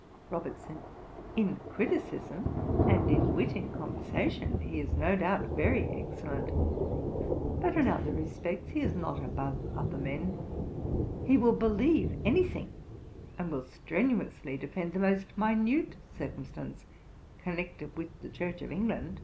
ROBERTSON. 'In criticism, and in wit in conversation, he is no doubt very excellent; but in other respects he is not above other men; he will believe any thing, and will strenuously defend the most minute circumstance connected with the Church of England.'